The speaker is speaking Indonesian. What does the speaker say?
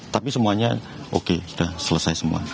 tapi semuanya oke sudah selesai semua